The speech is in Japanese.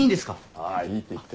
ああいいっていいって。